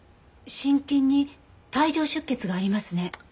心筋に帯状出血がありますね。